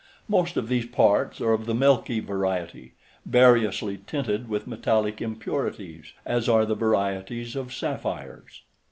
Most of these parts are of the milky variety, variously tinted with metallic impurities, as are the varieties of sapphires.